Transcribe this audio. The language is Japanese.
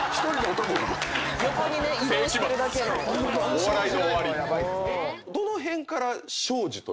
お笑いの終わり。